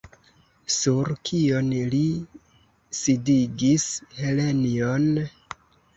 Sur kion li sidigis Helenjon?